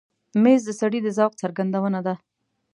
مېز د سړي د ذوق څرګندونه ده.